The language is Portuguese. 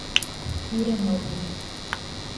Pirenópolis